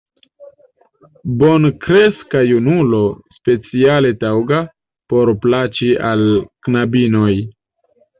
Bonkreska junulo, speciale taŭga, por plaĉi al knabinoj!